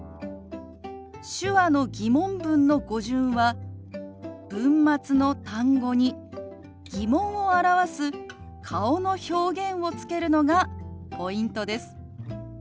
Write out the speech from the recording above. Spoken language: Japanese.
手話の疑問文の語順は文末の単語に疑問を表す顔の表現をつけるのがポイントです。